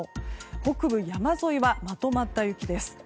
北部山沿いはまとまった雪です。